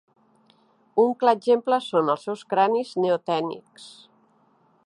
Un clar exemple són els seus cranis neotènics.